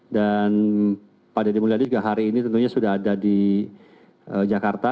dan pak dedy mulyadi juga hari ini tentunya sudah ada di jakarta